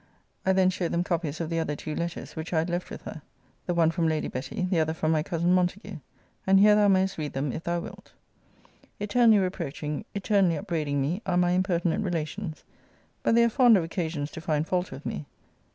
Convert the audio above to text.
I then showed them copies of the other two letters, which I had left with her; the one from Lady Betty, the other from my cousin Montague. And here thou mayest read them if thou wilt. Eternally reproaching, eternally upbraiding me, are my impertinent relations. But they are fond of occasions to find fault with me.